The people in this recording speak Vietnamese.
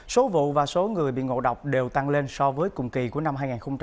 số vụ và số người bị ngộ độc đều tăng lên so với cùng kỳ của năm hai nghìn hai mươi ba